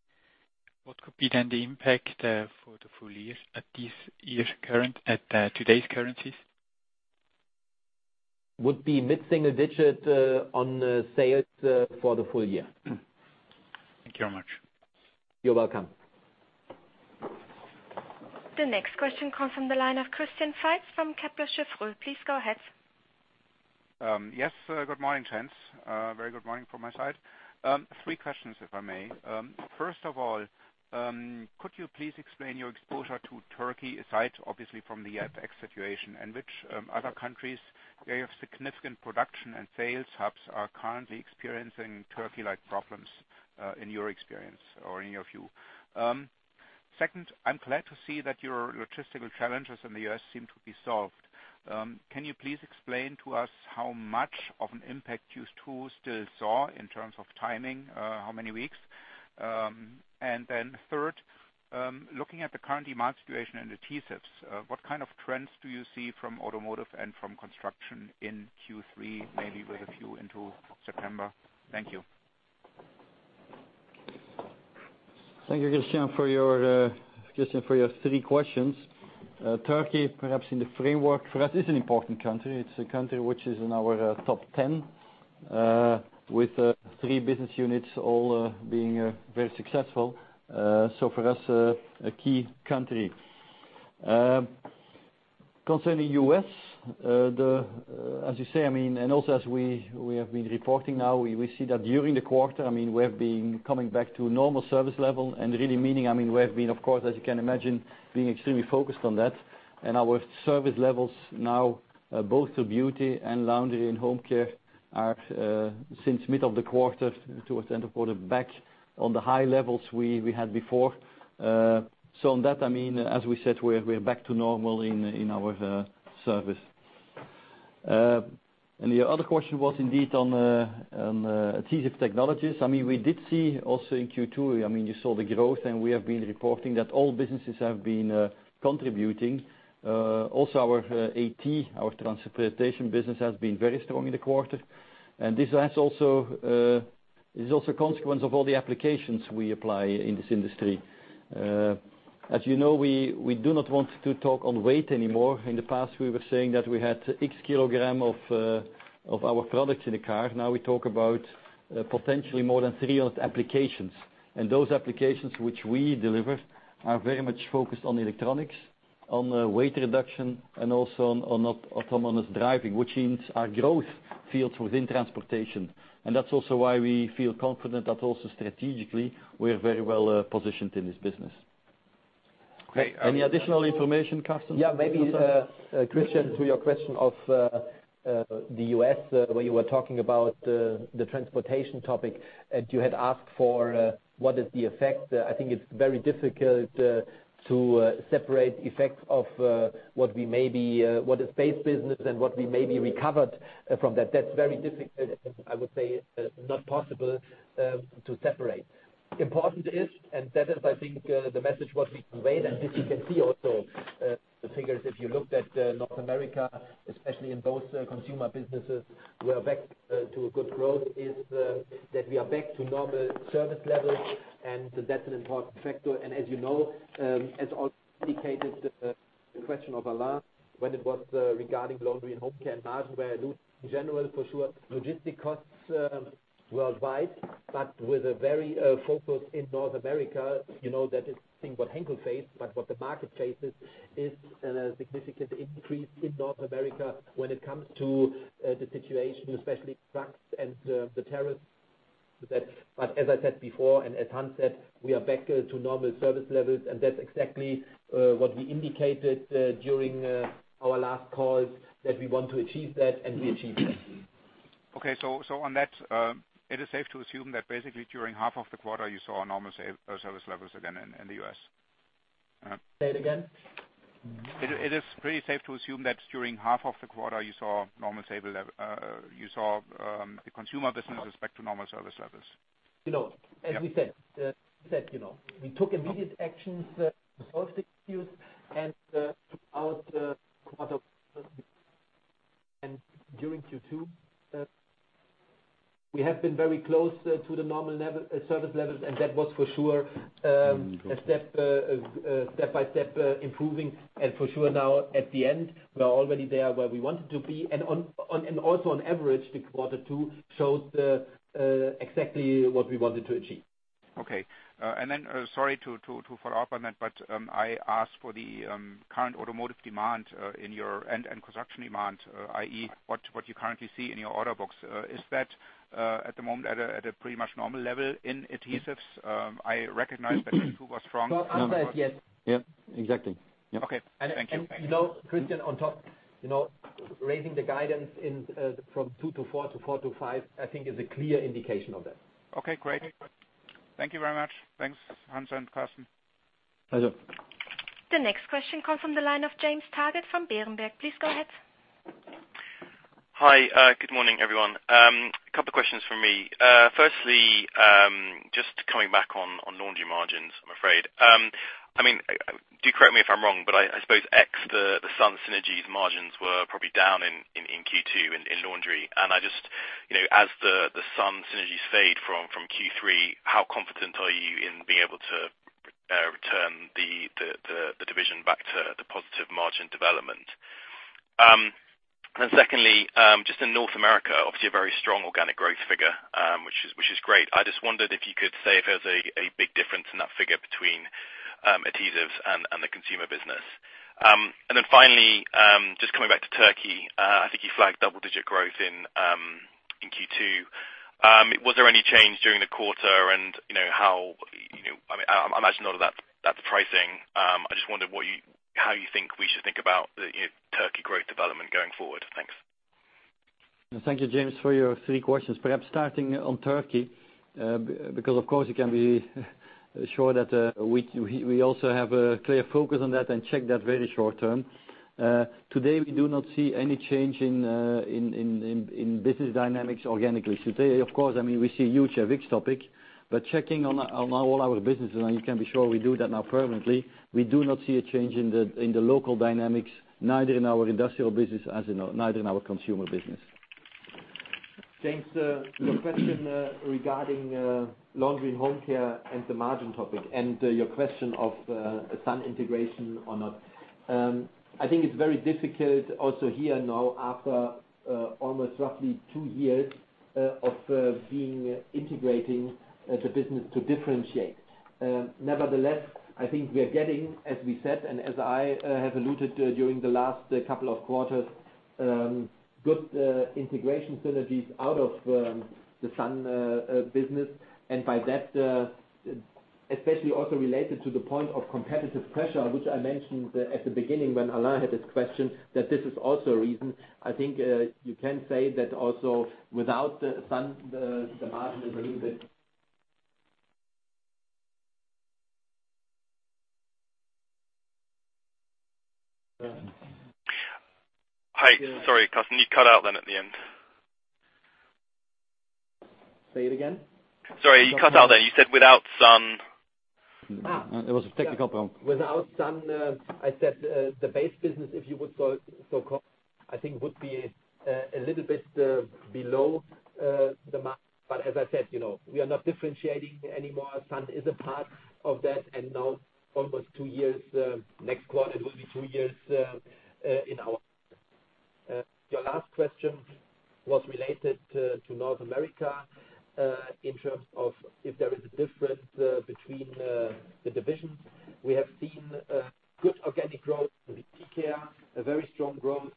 what could be then the impact for the full year at today's currencies? Would be mid-single digit on sales for the full year. Thank you very much. You're welcome. The next question comes from the line of Christian Faitz from Kepler Cheuvreux. Please go ahead. Yes. Good morning, gents. A very good morning from my side. Three questions, if I may. First of all, could you please explain your exposure to Turkey, aside obviously from the FX situation, and which other countries where you have significant production and sales hubs are currently experiencing Turkey-like problems in your experience or in your view? Second, I'm glad to see that your logistical challenges in the U.S. seem to be solved. Can you please explain to us how much of an impact you two still saw in terms of timing? How many weeks? Third, looking at the current demand situation in adhesives, what kind of trends do you see from automotive and from construction in Q3, maybe with a view into September? Thank you. Thank you, Christian Faitz, for your three questions. Turkey, perhaps in the framework for us, is an important country. It's a country which is in our top 10 with three business units all being very successful. For us, a key country. Concerning U.S., as you say, also as we have been reporting now, we see that during the quarter, we have been coming back to normal service level and really meaning, we have been, of course, as you can imagine, being extremely focused on that. Our service levels now, both to Beauty Care and Laundry & Home Care, are since mid of the quarter towards the end of quarter, back on the high levels we had before. On that, as we said, we are back to normal in our service. Your other question was indeed on Adhesive Technologies. We did see also in Q2, you saw the growth, and we have been reporting that all businesses have been contributing. Also our AT, our Transportation Business, has been very strong in the quarter. This is also a consequence of all the applications we apply in this industry. As you know, we do not want to talk on weight anymore. In the past, we were saying that we had X kilogram of our products in the car. Now we talk about potentially more than 300 applications. Those applications which we deliver are very much focused on Electronics, on weight reduction, and also on autonomous driving, which means our growth fields within Transportation. That's also why we feel confident that also strategically, we're very well-positioned in this business. Any additional information, Carsten Knobel? Maybe, Christian Faitz, to your question of the U.S., where you were talking about the Transportation Topic, You had asked for what is the effect. I think it's very difficult to separate effects of what is base business and what we maybe recovered from that. That's very difficult, and I would say not possible to separate. Important is, that is, I think, the message what we conveyed, this you can see also the figures, if you looked at North America, especially in both consumer businesses, we are back to a good growth, is that we are back to normal service levels, that's an important factor. As you know, as also indicated the question of Alain when it was regarding Laundry & Home Care margin, where I do in general for sure, logistic costs worldwide, but with a very focus in North America, you know that is thing what Henkel face, but what the market faces is a significant increase in North America when it comes to the situation, especially trucks and the tariffs. As I said before, and as Hans said, we are back to normal service levels, and that's exactly what we indicated during our last call, that we want to achieve that, and we achieved that. On that, it is safe to assume that basically during half of the quarter you saw normal service levels again in the U.S.? Say it again. It is pretty safe to assume that during half of the quarter you saw the consumer business is back to normal service levels? As we said, we took immediate actions to solve the issues throughout the quarter and during Q2, we have been very close to the normal service levels, that was for sure a step-by-step improving. For sure now at the end, we are already there where we wanted to be. Also on average, the quarter two showed exactly what we wanted to achieve. Okay, sorry to follow up on that, I asked for the current automotive demand in your end and construction demand, i.e., what you currently see in your order books. Is that at the moment at a pretty much normal level in adhesives? I recognize that Q2 was strong. North America, yes. Yep, exactly. Yep. Okay. Thank you. Christian on top, raising the guidance from 2%-4% to 4%-5%, I think is a clear indication of that. Okay, great. Thank you very much. Thanks, Hans and Carsten. Pleasure. The next question comes from the line of James Targett from Berenberg. Please go ahead. Hi. Good morning, everyone. Couple of questions from me. Firstly, just coming back on laundry margins, I'm afraid. Do correct me if I'm wrong, but I suppose ex the Sun synergies margins were probably down in Q2 in laundry. As the Sun synergies fade from Q3, how confident are you in being able to return the division back to the positive margin development? Secondly, just in North America, obviously a very strong organic growth figure, which is great. I just wondered if you could say if there's a big difference in that figure between Adhesives and the consumer business. Finally, just coming back to Turkey, I think you flagged double-digit growth in Q2. Was there any change during the quarter? I imagine a lot of that's pricing. I just wondered how you think we should think about the Turkey growth development going forward. Thanks. Thank you, James, for your three questions. Perhaps starting on Turkey, because of course you can be sure that we also have a clear focus on that and check that very short term. Today, we do not see any change in business dynamics organically. Today, of course, we see huge topics. Checking on all our businesses, and you can be sure we do that now permanently, we do not see a change in the local dynamics, neither in our industrial business as in neither in our consumer business. James, your question regarding Laundry & Home Care and the margin topic, your question of Sun integration or not. I think it's very difficult also here now after almost roughly two years of integrating the business to differentiate. Nevertheless, I think we are getting, as we said, and as I have alluded during the last couple of quarters, good integration synergies out of the Sun business. By that, especially also related to the point of competitive pressure, which I mentioned at the beginning when Alain had his question, that this is also a reason. I think you can say that also without the Sun, the margin is a little bit Hi. Sorry, Carsten. You cut out then at the end. Say it again. Sorry, you cut out there. You said without SUN. There was a technical problem. Without SUN, I said the base business, if you would so call, I think would be a little bit below the mark. As I said, we are not differentiating anymore. SUN is a part of that. Now almost two years, next quarter it will be two years. Your last question was related to North America, in terms of if there is a difference between the divisions. We have seen good organic growth with Beauty Care, a very strong growth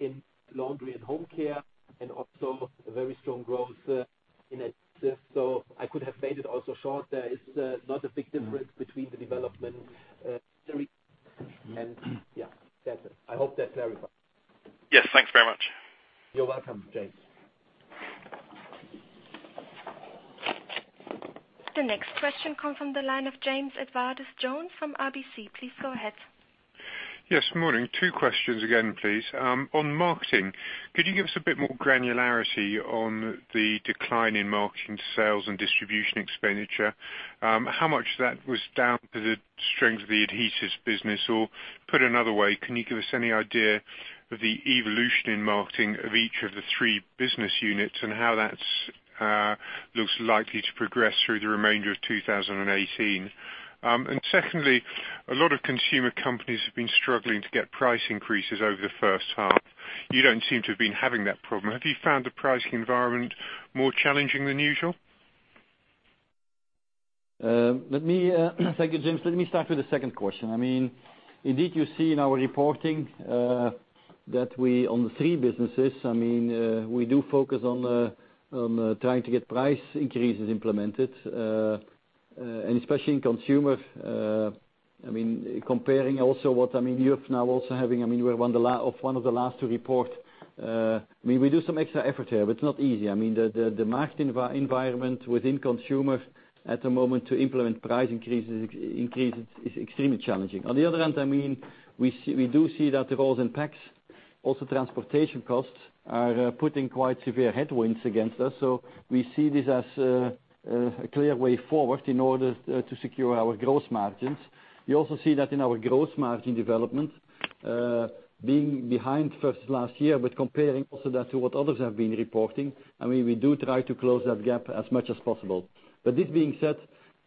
in Laundry & Home Care, and also a very strong growth in Adhesive. I could have made it also short. There is not a big difference. That's it. I hope that clarifies. Yes. Thanks very much. You're welcome, James. The next question come from the line of James Edwardes Jones from RBC. Please go ahead. Yes. Morning. two questions again, please. On marketing, could you give us a bit more granularity on the decline in marketing sales and distribution expenditure? How much that was down to the strength of the adhesives business? Or put another way, can you give us any idea of the evolution in marketing of each of the three business units and how that looks likely to progress through the remainder of 2018? Secondly, a lot of consumer companies have been struggling to get price increases over the first half. You don't seem to have been having that problem. Have you found the pricing environment more challenging than usual? Thank you, James. Let me start with the second question. Indeed, you see in our reporting that on the three businesses, we do focus on trying to get price increases implemented. Especially in consumer, comparing also what you have now also having, we're one of the last to report. We do some extra effort here, but it's not easy. The market environment within consumer at the moment to implement price increases is extremely challenging. The other hand, we do see that the raws and packs, also transportation costs are putting quite severe headwinds against us. We see this as a clear way forward in order to secure our gross margins. You also see that in our gross margin development, being behind versus last year, but comparing also that to what others have been reporting. We do try to close that gap as much as possible. This being said,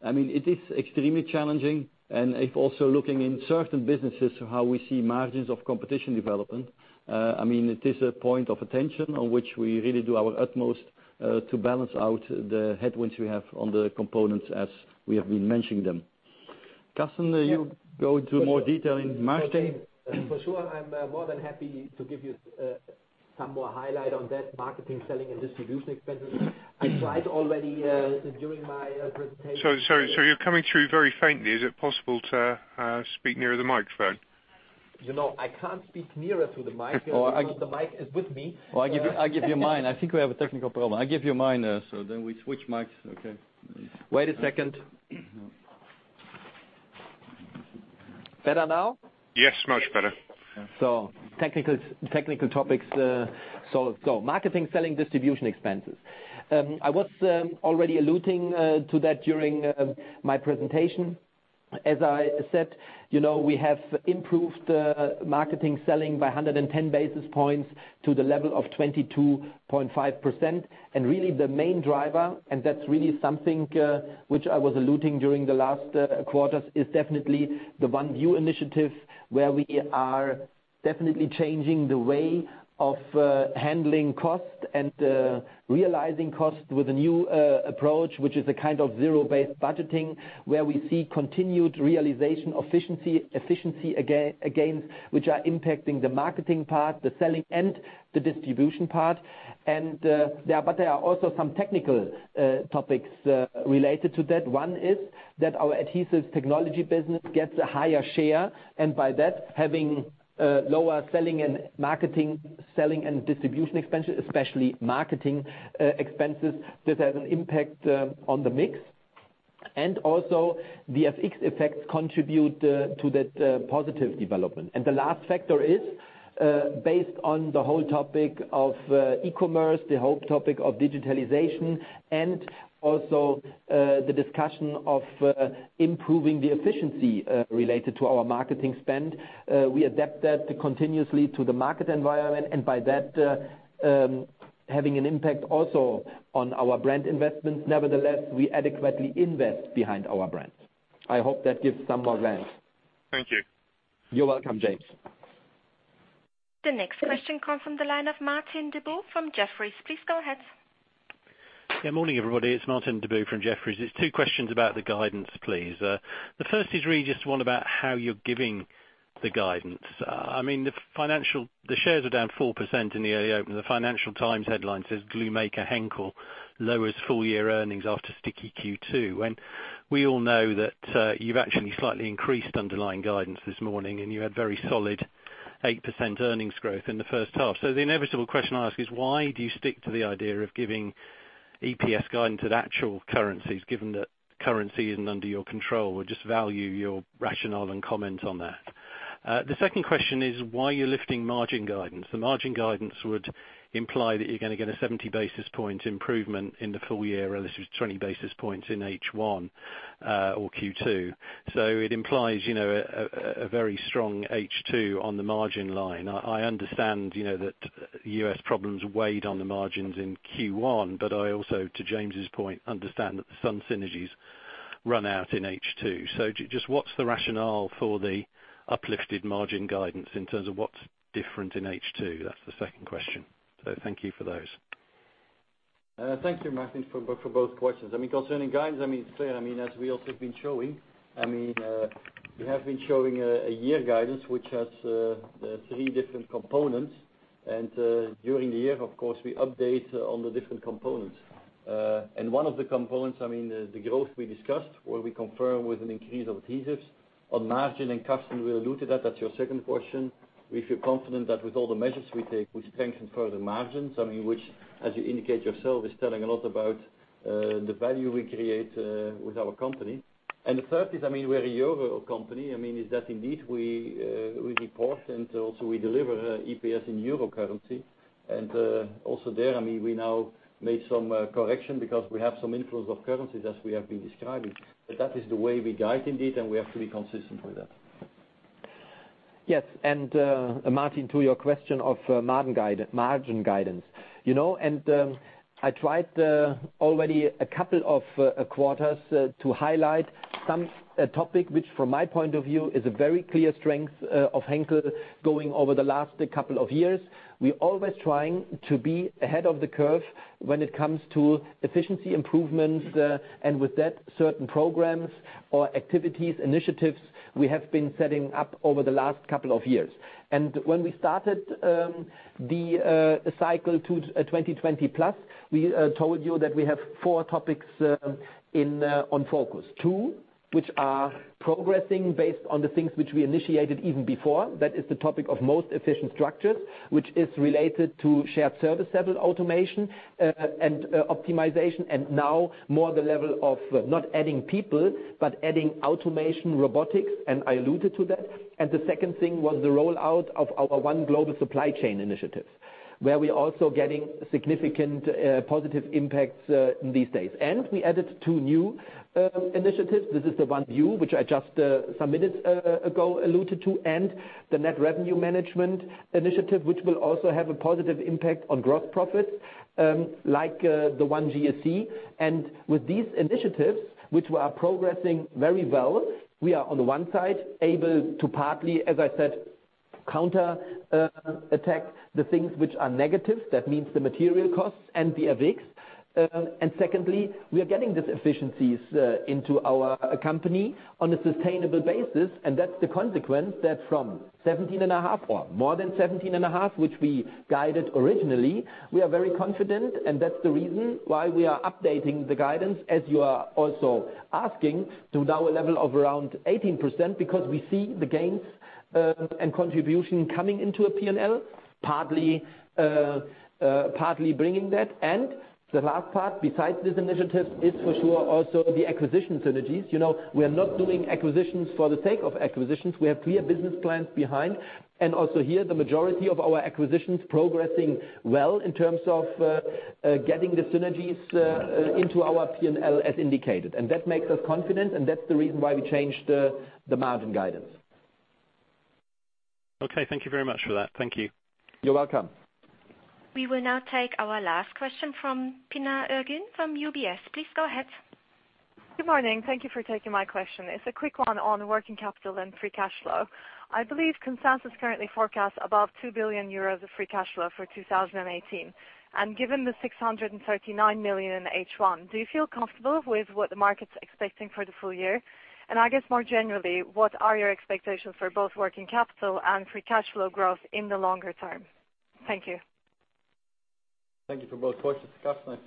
it is extremely challenging and if also looking in certain businesses how we see margins of competition development. It is a point of attention on which we really do our utmost to balance out the headwinds we have on the components as we have been mentioning them. Carsten, you go into more detail in marketing. For sure. I'm more than happy to give you some more highlight on that marketing, selling, and distribution expenses. I tried already during my presentation. Sorry. You're coming through very faintly. Is it possible to speak nearer the microphone? I can't speak nearer to the mic. The mic is with me. I'll give you mine. I think we have a technical problem. I give you mine, then we switch mics. Okay. Wait a second. Better now? Yes, much better. Technical topics solved. Marketing, selling, distribution expenses. I was already alluding to that during my presentation. As I said, we have improved marketing selling by 110 basis points to the level of 22.5%. Really the main driver, and that's really something which I was alluding during the last quarters, is definitely the ONE! ViEW initiative, where we are definitely changing the way of handling costs and realizing costs with a new approach, which is a kind of zero-based budgeting where we see continued realization efficiency against which are impacting the marketing part, the selling, and the distribution part. There are also some technical topics related to that. One is that our Adhesive Technologies business gets a higher share, and by that, having lower selling and distribution expenses, especially marketing expenses, that has an impact on the mix. Also the FX effects contribute to that positive development. The last factor is based on the whole topic of e-commerce, the whole topic of digitalization, and also the discussion of improving the efficiency related to our marketing spend. We adapt that continuously to the market environment and by that having an impact also on our brand investments. Nevertheless, we adequately invest behind our brands. I hope that gives some more insight. Thank you. You're welcome, James. The next question come from the line of Martin Deboo from Jefferies. Please go ahead. Morning, everybody. It's Martin Deboo from Jefferies. It's 2 questions about the guidance, please. The first is really just one about how you're giving the guidance. The shares are down 4% in the early open. The Financial Times headline says, "Glum maker Henkel lowers full-year earnings after sticky Q2." When we all know that you've actually slightly increased underlying guidance this morning, and you had very solid 8% earnings growth in the first half. The inevitable question I ask is, why do you stick to the idea of giving EPS guidance at actual currencies, given that currency isn't under your control? Would just value your rationale and comment on that. The second question is why you're lifting margin guidance. The margin guidance would imply that you're going to get a 70 basis point improvement in the full year, this was 20 basis points in H1 or Q2. It implies a very strong H2 on the margin line. I understand that U.S. problems weighed on the margins in Q1, but I also, to James' point, understand that some synergies run out in H2. Just what's the rationale for the uplifted margin guidance in terms of what's different in H2? That's the second question. Thank you for those. Thanks Martin, for both questions. Concerning guidance, as we also have been showing, we have been showing a year guidance, which has 3 different components. During the year of course, we update on the different components. One of the components, the growth we discussed, where we confirm with an increase of adhesives on margin and custom, we alluded that's your second question. We feel confident that with all the measures we take, we strengthen further margins. Which as you indicate yourself, is telling a lot about the value we create with our company. The third is, we're a Euro company. Is that indeed we report and also we deliver EPS in Euro currency. Also there, we now made some correction because we have some inflows of currencies as we have been describing. That is the way we guide indeed, and we have to be consistent with that. Yes. Martin, to your question of margin guidance. I tried already a couple of quarters to highlight some topic, which from my point of view, is a very clear strength of Henkel going over the last couple of years. We always trying to be ahead of the curve when it comes to efficiency improvements, and with that certain programs or activities, initiatives we have been setting up over the last couple of years. When we started the cycle to Henkel 2020+, we told you that we have four topics on focus. Two which are progressing based on the things which we initiated even before. That is the topic of most efficient structures, which is related to shared service level automation and optimization. Now more the level of not adding people, but adding automation, robotics, and I alluded to that. The second thing was the rollout of our ONE! Global Supply Chain initiative, where we're also getting significant positive impacts in these days. We added two new initiatives. This is the ONE! ViEW, which I just some minutes ago alluded to, and the Net Revenue Management initiative, which will also have a positive impact on gross profits, like the ONE! GSC. With these initiatives, which we are progressing very well, we are on the one side able to partly, as I said, counterattack the things which are negative. That means the material costs and the FX. Secondly, we are getting these efficiencies into our company on a sustainable basis, and that's the consequence that from 17.5% or more than 17.5%, which we guided originally, we are very confident and that's the reason why we are updating the guidance as you are also asking to now a level of around 18%, because we see the gains and contribution coming into a P&L, partly bringing that. The last part besides this initiative is for sure also the acquisition synergies. We are not doing acquisitions for the sake of acquisitions. We have clear business plans behind. Also here, the majority of our acquisitions progressing well in terms of getting the synergies into our P&L as indicated. That makes us confident, and that's the reason why we changed the margin guidance. Okay. Thank you very much for that. Thank you. You're welcome. We will now take our last question from Pinar Ergun from UBS. Please go ahead. Good morning. Thank you for taking my question. It's a quick one on working capital and free cash flow. I believe consensus currently forecasts above 2 billion euros of free cash flow for 2018. Given the 639 million in H1, do you feel comfortable with what the market's expecting for the full year? I guess more generally, what are your expectations for both working capital and free cash flow growth in the longer term? Thank you. Thank you for both questions. Carsten.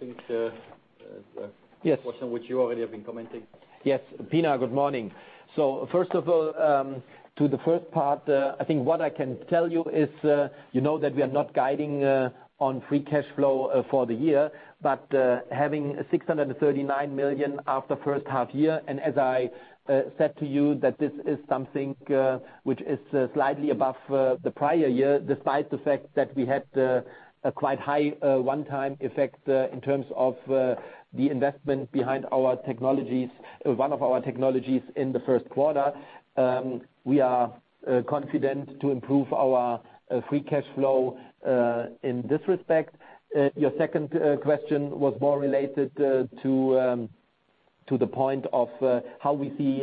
Yes A question which you already have been commenting. Yes. Pinar, good morning. First of all, to the first part, I think what I can tell you is, you know that we are not guiding on free cash flow for the year. Having 639 million after first half-year, and as I said to you that this is something which is slightly above the prior year, despite the fact that we had a quite high one-time effect in terms of the investment behind one of our technologies in the first quarter. We are confident to improve our free cash flow in this respect. Your second question was more related to the point of how we see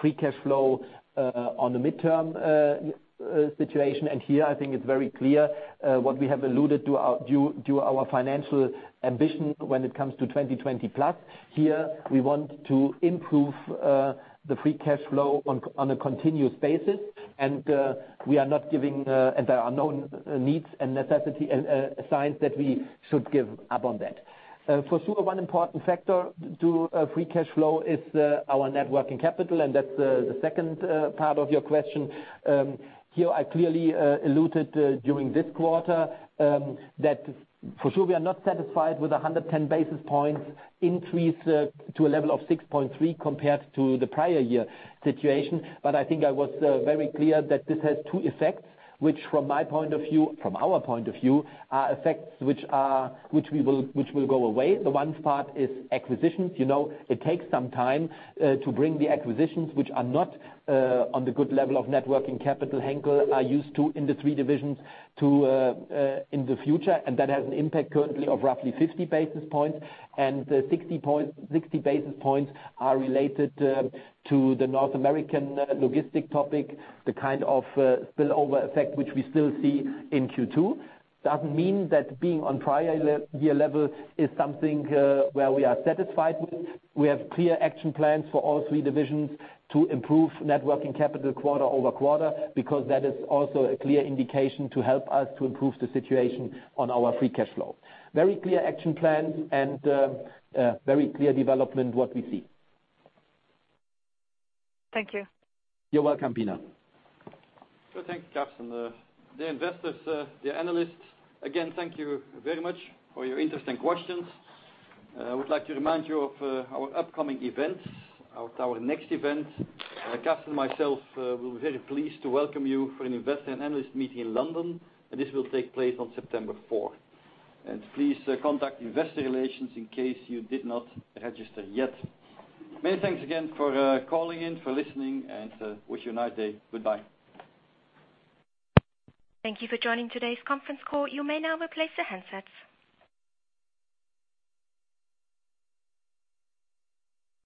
free cash flow on the midterm situation. Here, I think it's very clear what we have alluded to our financial ambition when it comes to 2020+. Here, we want to improve the free cash flow on a continuous basis, there are no needs and necessity and signs that we should give up on that. For sure, one important factor to free cash flow is our net working capital, that's the second part of your question. Here, I clearly alluded during this quarter that for sure we are not satisfied with 110 basis points increase to a level of 6.3% compared to the prior year situation. I think I was very clear that this has two effects, which from our point of view, are effects which will go away. The one part is acquisitions. It takes some time to bring the acquisitions which are not on the good level of net working capital Henkel are used to in the three divisions in the future, that has an impact currently of roughly 50 basis points. 60 basis points are related to the North American logistic topic, the kind of spillover effect which we still see in Q2. Doesn't mean that being on prior year level is something where we are satisfied with. We have clear action plans for all three divisions to improve net working capital quarter-over-quarter, because that is also a clear indication to help us to improve the situation on our free cash flow. Very clear action plans and very clear development what we see. Thank you. You're welcome, Pinar. Thank you, Carsten. The investors, the analysts, again, thank you very much for your interesting questions. I would like to remind you of our upcoming events, of our next event. Carsten and myself will be very pleased to welcome you for an investor and analyst meeting in London, this will take place on September 4th. Please contact investor relations in case you did not register yet. Many thanks again for calling in, for listening, and wish you a nice day. Goodbye. Thank you for joining today's conference call. You may now replace the handsets.